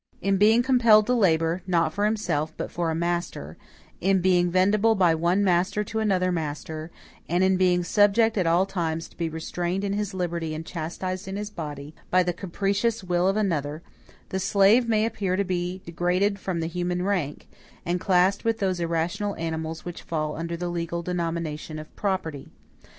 In being compelled to labor, not for himself, but for a master; in being vendible by one master to another master; and in being subject at all times to be restrained in his liberty and chastised in his body, by the capricious will of another the slave may appear to be degraded from the human rank, and classed with those irrational animals which fall under the legal denomination of property.